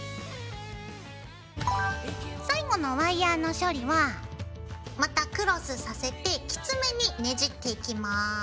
最後のワイヤーの処理はまたクロスさせてきつめにねじっていきます。